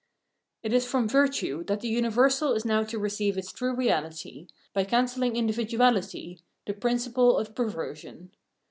It is from virtue that the universal is now to re ceive its true reahty, by cancelling individuahty, the principle of perversion.